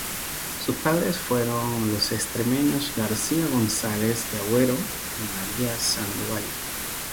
Sus padres fueron los extremeños García Gonzáles de Agüero y María de Sandoval.